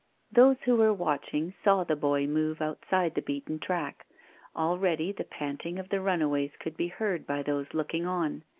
Those who were watching saw the boy move outside the beaten track. Already the panting of the runaways could be heard by those looking on.